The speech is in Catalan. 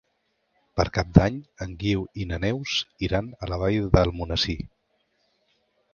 Per Cap d'Any en Guiu i na Neus iran a la Vall d'Almonesir.